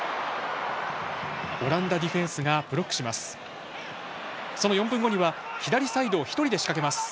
オランダディフェンスがブロックします。